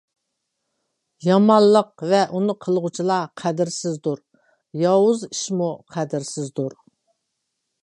يامانلىق ۋە ئۇنى قىلغۇچىلار قەدىرسىزدۇر. ياۋۇز ئىشمۇ قەدىرسىزدۇر.